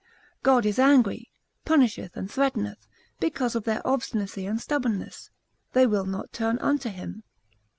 God is angry, punisheth and threateneth, because of their obstinacy and stubbornness, they will not turn unto him.